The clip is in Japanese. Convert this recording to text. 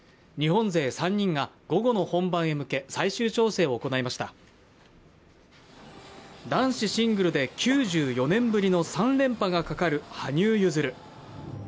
日本勢３人が午後の本番へ向け最終調整を行いました男子シングルで９４年ぶりの３連覇がかかる羽生結弦